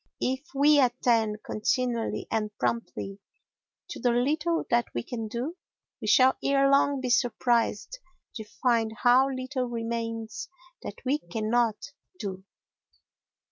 If we attend continually and promptly to the little that we can do, we shall ere long be surprised to find how little remains that we cannot do.